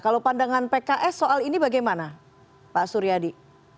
kalau pandangan pks soal ini bagaimana pak suryadi